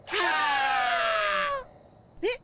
えっ？